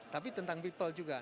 tapi tentang people